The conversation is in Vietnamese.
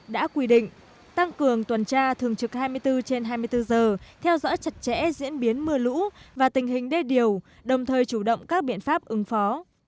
đã quy định tăng cường tuần tra thường trực hai mươi bốn trên hai mươi bốn giờ theo dõi chặt chẽ diễn biến mưa lũ và tình hình đê điều đồng thời chủ động các biện pháp ứng phó